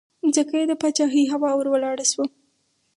ځکه یې د پاچهۍ هوا ور ولاړه شوه.